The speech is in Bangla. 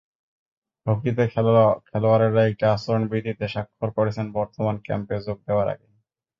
হকিতে খেলোয়াড়েরা একটা আচরণবিধিতে স্বাক্ষর করেছেন বর্তমান ক্যাম্পে যোগ দেওয়ার আগে।